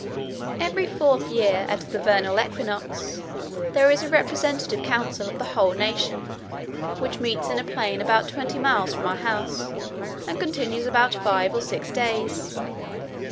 Every fourth year, at the vernal equinox, there is a representative council of the whole nation, which meets in a plain about twenty miles from our house, and continues about five or six days.